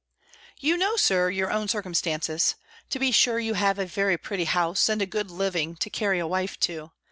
"You know, Sir, your own circumstances. To be sure you have a very pretty house, and a good living, to carry a wife to.